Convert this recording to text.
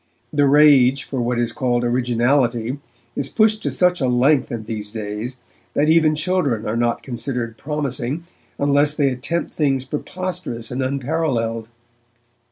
The rage for what is called 'originality' is pushed to such a length in these days that even children are not considered promising, unless they attempt things preposterous and unparalleled.